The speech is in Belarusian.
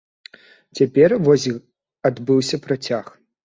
Цяпер вось адбыўся працяг.